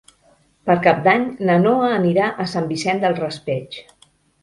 Per Cap d'Any na Noa anirà a Sant Vicent del Raspeig.